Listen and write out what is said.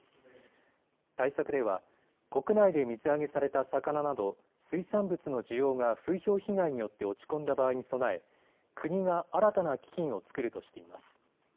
対策では国内で水揚げされた魚など水産物の需要が風評被害によって落ち込んだ場合に備え国が新たな基金を作るとしています。